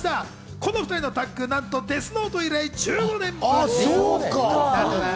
この２人がタッグを組むのは、『デスノート』以来１５年ぶり。